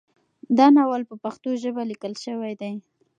دا ناول په پښتو ژبه لیکل شوی دی.